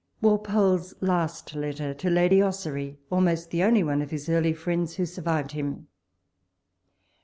WALPOLES LAST LETTEIi TO LADY OSSORY. ALMOST THE ONLY ONE OF HIS EARLY FRiEyns ^vHo sury/vkd him.